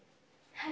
はい。